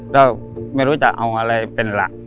ก็ไม่รู้จะเอาอะไรเป็นหลัก